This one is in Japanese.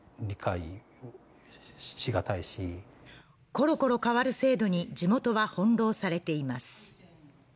ころころ変わる制度に地元は翻弄されています。